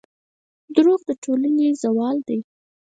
دروغ د ټولنې زوال دی.